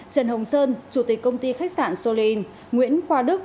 trần hồng sơn chủ tịch công ty khách sạn solin nguyễn khoa đức